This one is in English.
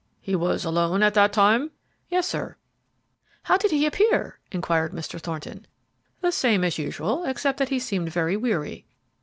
"He was alone at that time?" "Yes, sir." "How did he appear?" inquired Mr. Thornton. "The same as usual, except that he seemed very weary."